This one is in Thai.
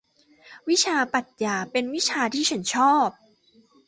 วิชาปรัขญาเป็นวิชาที่ฉันชอบ